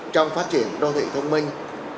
trong phát triển đô thị thông minh